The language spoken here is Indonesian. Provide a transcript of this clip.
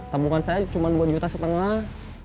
tabungan saya cuma dua juta setengah